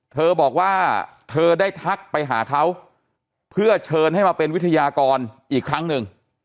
เธอบอกว่าเธอได้ทักไปหาเขาเพื่อเชิญให้มาเป็นวิทยากรอีกครั้งหนึ่ง